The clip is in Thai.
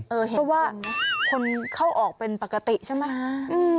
เพราะว่าคนเข้าออกเป็นปกติใช่ไหมคะ